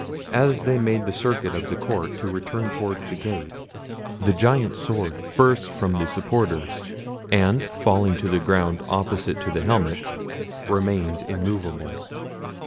As they made the circuit of the court to return towards the gate, the gigantic sword burst from the supporters, and falling to the ground opposite to the helmet, remained immovable.